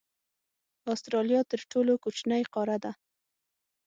استرالیا تر ټولو کوچنۍ قاره ده.